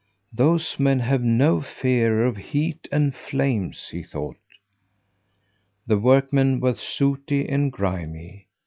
"Those men have no fear of heat and flames," he thought. The workmen were sooty and grimy.